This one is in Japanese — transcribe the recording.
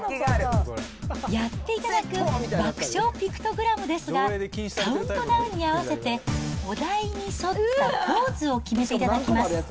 やっていただく爆笑ピクトグラムですが、カウントダウンに合わせてお題に沿ったポーズを決めていただきます。